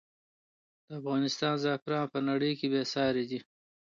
د افغانستان زعفران په نړۍ کې بې ساری دی.